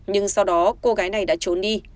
nhưng sau đó cô gái này đã trốn đi